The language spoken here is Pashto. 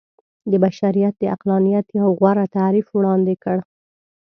د بشريت د عقلانيت يو غوره تعريف وړاندې کړ.